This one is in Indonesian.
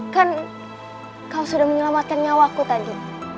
kan kau sudah menyelamatkan nyawa aku tadi